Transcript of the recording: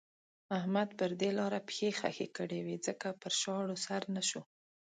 احمد پر دې لاره پښې خښې کړې وې ځکه پر شاړو سر نه شو.